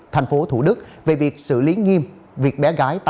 thành phố thủ đức về việc xử lý nghiêm việc bé gái